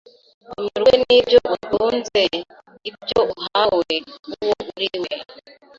Unyurwe n’ibyo utunze, ibyo uhawe, uwo uriwe,